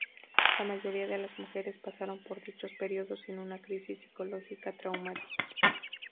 La mayoría de las mujeres pasaron por dichos períodos sin una "crisis" psicológica traumática.